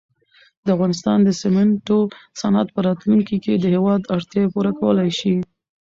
د افغانستان د سېمنټو صنعت په راتلونکي کې د هېواد اړتیاوې پوره کولای شي.